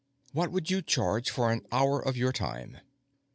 What would you charge for an hour of your time?"